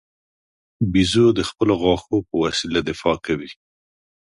بیزو د خپلو غاښو په وسیله دفاع کوي.